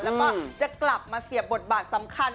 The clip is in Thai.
แล้วก็จะกลับมาเสียบทบาทสำคัญ